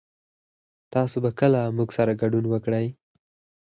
تاسو به کله موږ سره ګډون وکړئ